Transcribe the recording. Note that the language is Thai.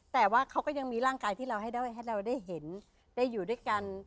แต่ว่าเขาก็ยังมีร่างกายที่เราให้เราได้เห็นได้อยู่ด้วยกัน